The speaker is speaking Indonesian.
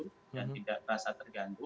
dan tidak terasa terganggu